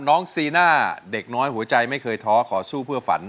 ซีน่าเด็กน้อยหัวใจไม่เคยท้อขอสู้เพื่อฝัน